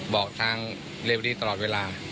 บอกทางเรวดีตลอดเวลา